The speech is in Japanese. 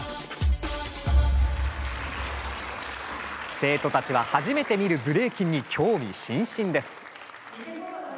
生徒たちは初めて見るブレイキンに興味津々です。